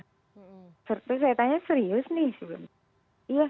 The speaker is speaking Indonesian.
seperti saya tanya serius nih sebelumnya